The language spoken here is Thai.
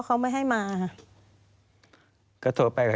ควิทยาลัยเชียร์สวัสดีครับ